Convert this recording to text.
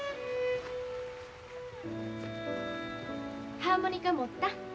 ハーモニカ持った？